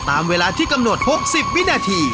ตามเวลาที่กำหนด๖๐วินาที